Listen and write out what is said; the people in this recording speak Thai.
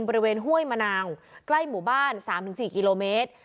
บริเวณห้วยมะนาวใกล้หมู่บ้านสามถึงสี่กิโลเมตร